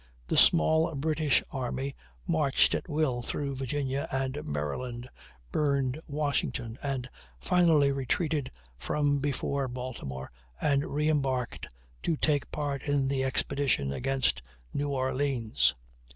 The small British army marched at will through Virginia and Maryland, burned Washington, and finally retreated from before Baltimore and reembarked to take part in the expedition against New Orleans.